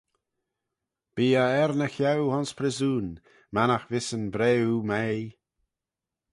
Bee eh er ny cheau ayns pryssoon, mannagh vees yn briw meiygh.